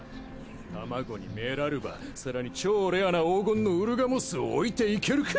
卵にメラルバ更に超レアな黄金のウルガモスを置いていけるか！